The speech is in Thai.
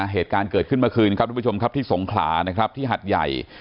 เหตุการณ์เกิดขึ้นเมื่อคืนที่สงขลาที่หัดใหญ่